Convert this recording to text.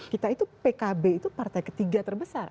kita itu pkb itu partai ketiga terbesar